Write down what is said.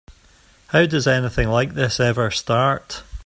How does anything like this ever start?